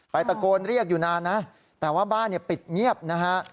ตะโกนเรียกอยู่นานนะแต่ว่าบ้านปิดเงียบนะฮะ